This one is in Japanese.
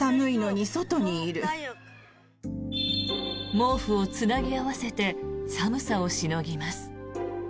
毛布をつなぎ合わせて寒さをしのぎます。